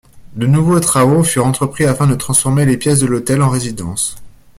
De nouveaux travaux furent entrepris afin de transformer les pièces de l'hôtel en résidences.